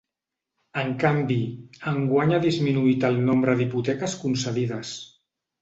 En canvi, enguany ha disminuït el nombre d’hipoteques concedides.